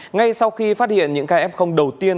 ngay sau khi phát hiện những kf đầu tiên